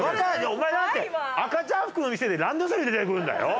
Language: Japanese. お前だって赤ちゃん服の店でランドセル出てくるんだよ？